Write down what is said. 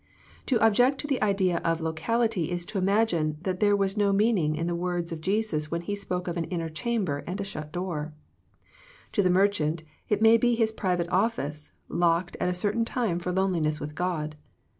To object to the idea of locality is to imagine there was no mean ing in the words of Jesus when He spoke of an " inner chamber " and a " shut door." To the merchant, it may be his private office, locked at a certain time for loneliness with God.